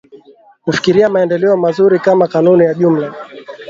kufikiria maendeleo mazuri Kama kanuni ya jumla